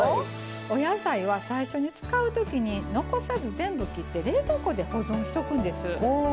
お野菜は最初に使う時に残さず全部切って冷蔵庫で保存しとくんです。